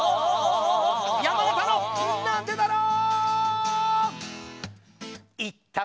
山形のなんでだろう！